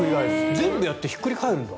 全部やってひっくり返るんだ。